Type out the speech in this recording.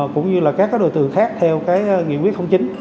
cũng như là các đối tượng khác theo nghị quyết không chính